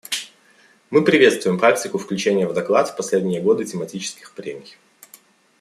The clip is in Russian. Мы приветствуем практику включения в доклад в последние годы тематических прений.